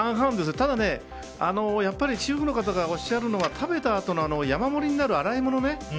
ただ、やっぱり主婦の方がおっしゃるのは食べたあとの山盛りになる洗い物ね。